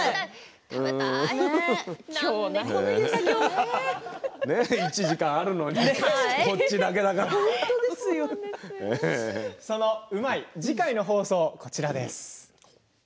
今日、１時間あるのに「うまいッ！」次回の放送はこちらです。